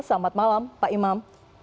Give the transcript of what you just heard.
selamat malam pak imam